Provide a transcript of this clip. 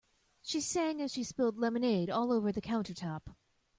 She sang as she spilled lemonade all over the countertop.